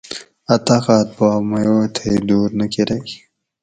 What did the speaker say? اۤ طاقت پا می او تھئ دور نہ کرۤگ